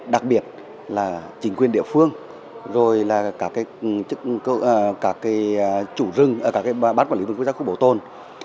đặc biệt là chính quyền địa phương rồi là các bán quản lý vực quốc gia khu bổ tồn